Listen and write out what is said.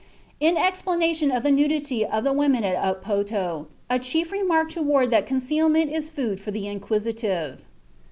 In explanation of the nudity of the women at Upoto, a chief remarked to Ward that "concealment is food for the inquisitive."